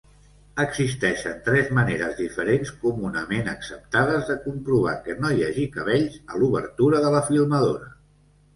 Existeixen tres maneres diferents comunament acceptades de comprovar que no hi hagi cabells a l'obertura de la filmadora.